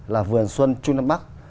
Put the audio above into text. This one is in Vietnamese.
là vườn xuân trung nam bắc